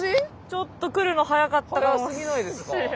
ちょっと来るの早かったかもしれない。